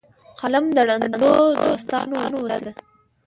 قلم د روڼ اندو دوستانه وسله ده